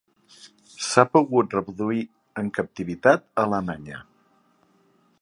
S'ha pogut reproduir en captivitat a Alemanya.